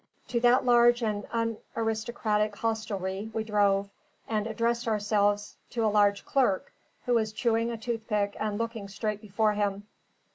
To that large and unaristocratic hostelry we drove, and addressed ourselves to a large clerk, who was chewing a toothpick and looking straight before him.